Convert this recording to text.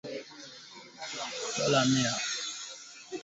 Wa askari weko ni kwa ajili ya kulinda mugini